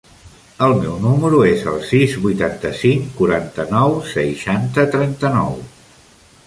El meu número es el sis, vuitanta-cinc, quaranta-nou, seixanta, trenta-nou.